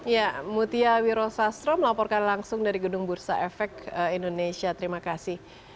ya mutia wiro sastro melaporkan langsung dari gedung bursa efek indonesia terima kasih